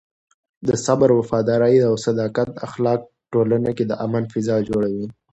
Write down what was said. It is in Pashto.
د صبر، وفادارۍ او صداقت اخلاق ټولنه کې د امن فضا جوړوي.